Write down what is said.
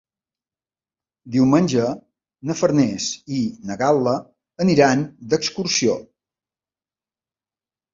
Diumenge na Farners i na Gal·la aniran d'excursió.